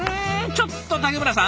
ちょっと竹村さん！